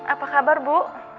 apa kabar bu